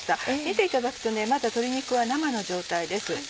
見ていただくとまだ鶏肉は生の状態です。